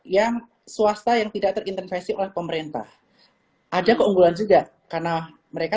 yang swasta yang tidak terintervensi oleh pemerintah ada keunggulan juga karena mereka